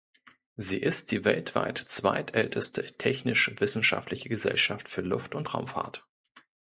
Sie ist die weltweit zweitälteste technisch-wissenschaftliche Gesellschaft für Luft- und Raumfahrt.